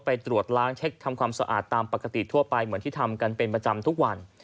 ไปตรวจล้างเช็คทำความสะอาดตามปกติทั่วไปเหมือนที่ทำกันเป็นประจำทุกวัน